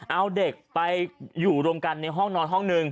เอาเด็กไปอยู่รวมกันในห้องนอนห้องหนึ่ง